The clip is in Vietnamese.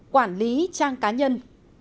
một quản lý trang cá nhân